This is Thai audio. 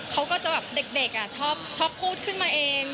เขาก็จะแบบเด็กชอบพูดขึ้นมาเอง